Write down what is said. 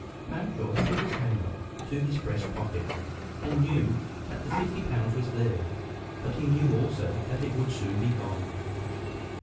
Mountjoy put his hand up to his breast pocket, and knew that the fifty pounds was there, but he knew also that it would soon be gone.